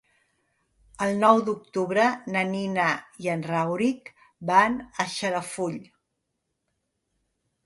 El nou d'octubre na Nina i en Rauric van a Xarafull.